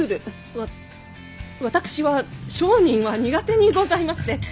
わ私は商人は苦手にございまして！